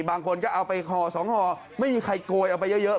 บางคนก็เอาไปห่อสองห่อไม่มีใครโกยเอาไปเยอะ